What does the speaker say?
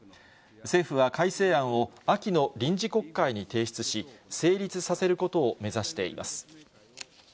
政府は改正案を秋の臨時国会に提出し、成立させることを目指しています。